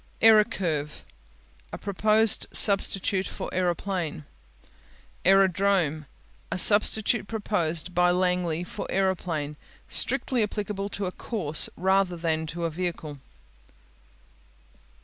Aerocurve A proposed substitute for aeroplane. Aerodrome A substitute proposed by Langley for aeroplane. Strictly applicable to a course rather than to a vehicle.